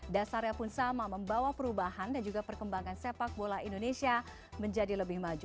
dasarnya pun sama membawa perubahan dan juga perkembangan sepak bola indonesia menjadi lebih maju